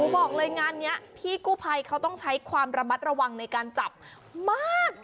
บอกเลยงานนี้พี่กู้ภัยเขาต้องใช้ความระมัดระวังในการจับมาก